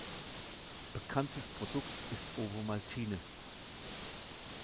Bekanntes Produkt ist Ovomaltine.